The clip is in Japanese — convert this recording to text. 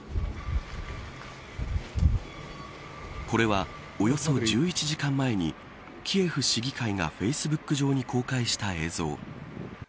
これは、およそ１１時間前にキエフ市議会がフェイスブック上に公開した映像。